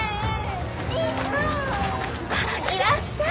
いらっしゃい！